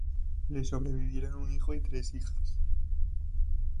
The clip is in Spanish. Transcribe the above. Le sobrevivieron un hijo y tres hijas.